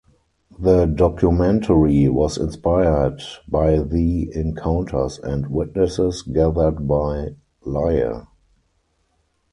The documentary was inspired by the encounters and witnesses gathered by Iyer.